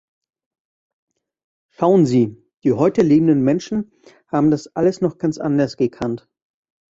Schauen Sie, die heute lebenden Menschen haben das alles noch ganz anders gekannt.